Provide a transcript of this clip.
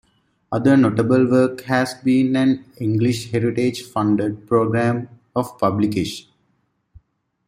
Other notable work has been an English Heritage-funded programme of publication.